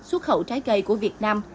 xuất khẩu trái cây của việt nam